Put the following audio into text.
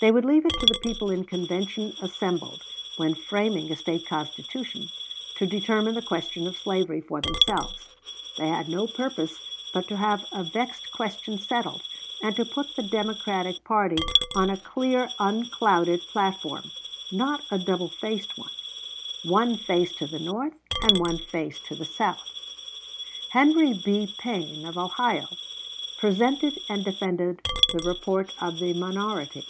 They would leave it to the people in convention assembled, when framing a State constitution, to determine the question of slavery for themselves. They had no purpose but to have a vexed question settled, and to put the Democratic party on a clear unclouded platform, not a doubled faced one one face to the North and one face to the South. Henry B. Payne, of Ohio, presented and defended the report of the minority.